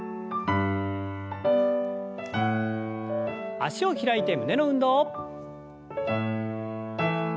脚を開いて胸の運動。